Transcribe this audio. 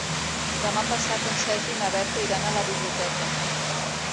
Demà passat en Sergi i na Berta iran a la biblioteca.